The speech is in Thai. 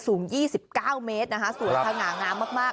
สูง๒๙เมตรสูญภาคงามมาก